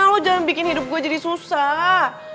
lo jangan bikin hidup gue jadi susah